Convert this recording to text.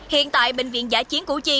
hiện tại bệnh viện dạ chiến củ chi